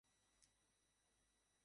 এইতো হুশ ফিরেছে।